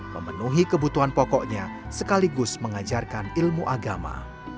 memenuhi kebutuhan pokoknya sekaligus mengajarkan ilmu agama